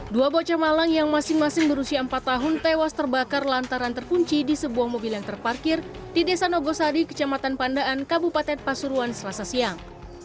dua bocah malang yang masing masing berusia empat tahun tewas terbakar lantaran terkunci di sebuah mobil yang terparkir di desa nogosari kecamatan pandaan kabupaten pasuruan selasa siang